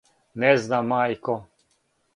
Не знам мајко.